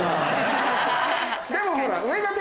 でもほら。